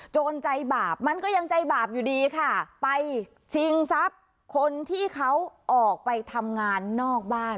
ใจบาปมันก็ยังใจบาปอยู่ดีค่ะไปชิงทรัพย์คนที่เขาออกไปทำงานนอกบ้าน